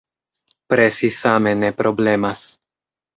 Presi same ne problemas.